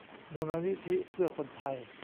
มูลนิธิเพื่อคนไทย